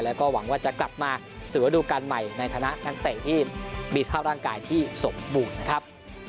แล้วก็หวังว่าจะกลับมาสู่ระดูการใหม่ในฐานะนักเตะที่มีสภาพร่างกายที่สมบูรณ์นะครับ